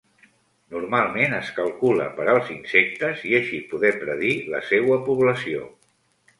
Normalment es calcula per als insectes, i així poder predir la seua població.